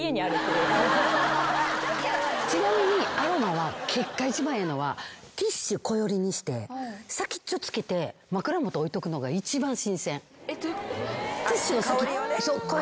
ちなみにアロマは結果一番ええのはティッシュこよりにして先っちょつけて枕元置いとくのが一番新鮮。